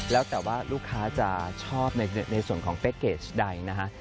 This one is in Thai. แล้วแต่ว่าลูกค้าจะชอบในส่วนของเป๊กเกจใดนะฮะ